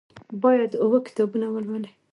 باید اووه کتابونه ولولي.